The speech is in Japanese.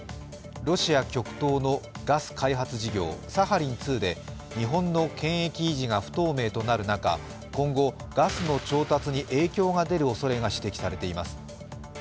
ロシア極東のガス開発事業、サハリン２で、日本の権益維持が不透明となる中、今後、ガスの調達に影響が出るおそれが指摘されています。